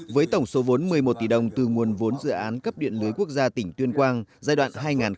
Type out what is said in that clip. với tổng số vốn một mươi một tỷ đồng từ nguồn vốn dự án cấp điện lưới quốc gia tỉnh tuyên quang giai đoạn hai nghìn một mươi sáu hai nghìn hai mươi